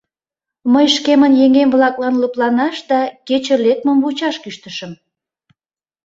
Мый шкемын еҥем-влаклан лыпланаш да кече лекмым вучаш кӱштышым.